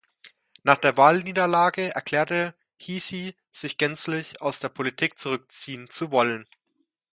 Nach der Wahlniederlage erklärte Hsieh, sich gänzlich aus der Politik zurückziehen zu wollen.